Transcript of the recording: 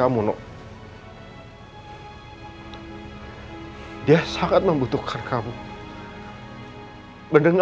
karena aku hydrogen queen karena langit samapa ngedlel waterloo usah bau molly robin pengen bayi